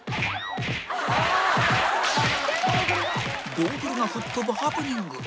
ゴーグルが吹っ飛ぶハプニング